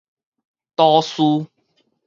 多士